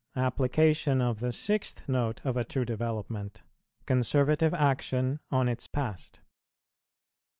APPLICATION OF THE SIXTH NOTE OF A TRUE DEVELOPMENT. CONSERVATIVE ACTION ON ITS PAST.